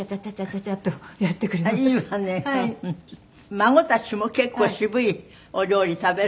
孫たちも結構渋いお料理食べる？